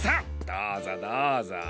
どうぞどうぞ。